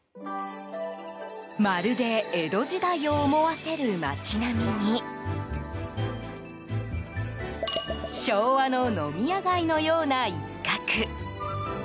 まるで江戸時代を思わせる街並みに昭和の飲み屋街のような一角。